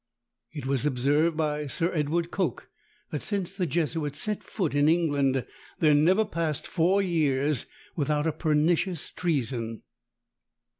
It was observed by Sir Edward Coke, that since the Jesuits set foot in England, there never passed four years without a pernicious treason.